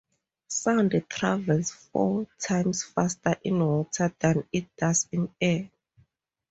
Sound travels four times faster in water than it does in air.